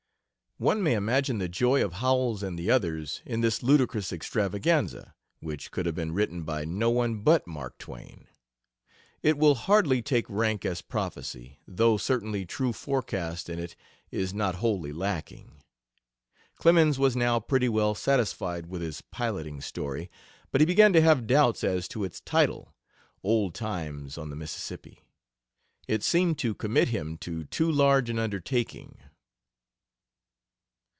One may imagine the joy of Howells and the others in this ludicrous extravaganza, which could have been written by no one but Mark Twain. It will hardly take rank as prophecy, though certainly true forecast in it is not wholly lacking. Clemens was now pretty well satisfied with his piloting story, but he began to have doubts as to its title, "Old Times on the Mississippi." It seemed to commit him to too large an undertaking.